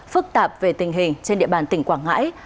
phức tạp về tình hình trên địa bàn tỉnh quảng ngãi